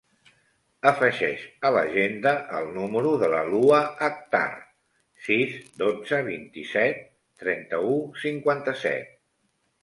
Afegeix a l'agenda el número de la Lua Akhtar: sis, dotze, vint-i-set, trenta-u, cinquanta-set.